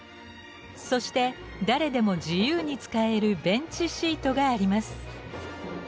そして誰でも自由に使えるベンチシートがあります。